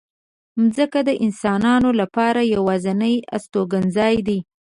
مځکه د انسانانو لپاره یوازینۍ استوګنځای دی.